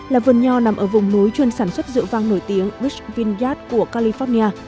là vườn nho nằm ở vùng núi chuyên sản xuất dự vang nổi tiếng rich vingard của california